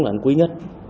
là anh quý nhất